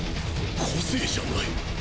個性じゃない！